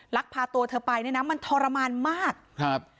ลักพาตัวเธอไปเนี่ยนะมันทรมานมากครับ